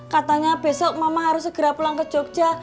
katanya besok mama harus segera pulang ke jogja